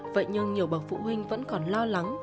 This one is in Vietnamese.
vậy nhưng nhiều bậc phụ huynh vẫn còn lo lắng